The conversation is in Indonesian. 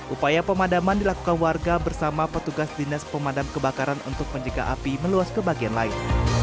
upaya pemadaman dilakukan warga bersama petugas dinas pemadam kebakaran untuk menjaga api meluas ke bagian lain